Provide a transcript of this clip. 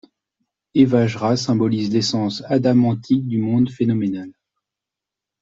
Hevajra symbolise l'essence adamantine du monde phénoménal.